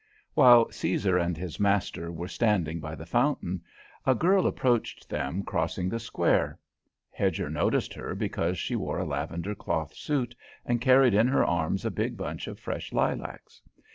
While Caesar and his master were standing by the fountain, a girl approached them, crossing the Square. Hedger noticed her because she wore a lavender cloth suit and carried in her arms a big bunch of fresh lilacs.